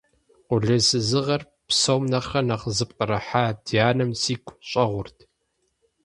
Къулейсызыгъэр псом нэхърэ нэхъ зыпкърыхьа ди анэм сигу щӀэгъурт.